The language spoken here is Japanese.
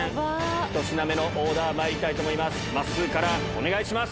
１品目のオーダー、まいりたいと思います。